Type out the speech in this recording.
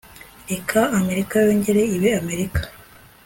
Reka Amerika yongere ibe Amerika